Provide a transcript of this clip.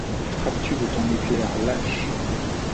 frappes-tu de ton éclair lâche